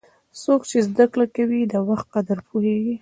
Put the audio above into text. څوک چې زده کړه کوي، د وخت قدر پوهیږي.